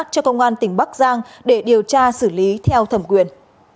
cho công an tỉnh bắc giang để điều tra xử lý theo thẩm quyền